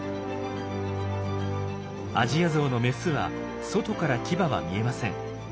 アジアゾウのメスは外から牙は見えません。